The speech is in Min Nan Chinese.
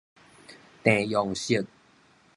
鄭用錫